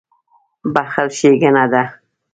• بښل ښېګڼه ده.